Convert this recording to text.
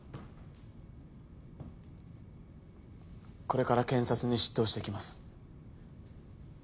これから検察に出頭してきます。